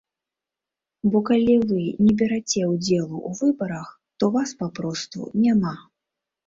Бо калі вы не бераце ўдзелу ў выбарах, то вас папросту няма.